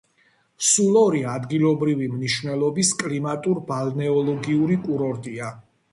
სულორი ადგილობრივი მნიშვნელობის კლიმატურ-ბალნეოლოგიური კურორტია.